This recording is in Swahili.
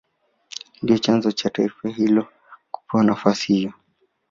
Ndio chanzo cha taifa hilo kupewa nafasi hiyo